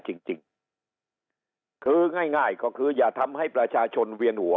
จริงจริงคือง่ายง่ายก็คืออย่าทำให้ประชาชนเวียนหัว